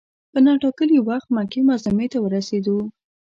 په نا ټا کلي وخت مکې معظمې ته ورسېدو.